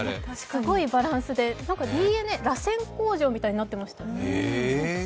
すごいバランスでらせん階段みたいになっていました。